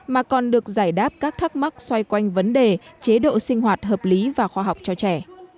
mà còn được giải đáp các thắc mắc xoay quanh vấn đề chế độ sinh hoạt hợp lý và khoa học cho trẻ